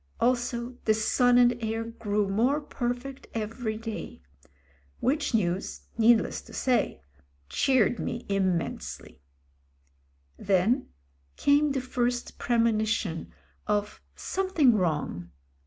Also the son and heir grew more perfect every day. Which news, needless to say, cheered me immensely. Then came the first premonition of something wrong.